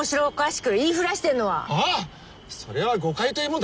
それは誤解というもんだな。